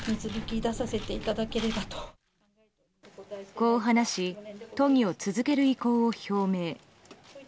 こう話し都議を続ける意向を表明。